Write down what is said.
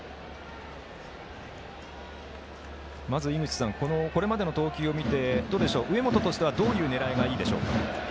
まず、これまでの投球を見て上本としてはどういう狙いがいいでしょうか？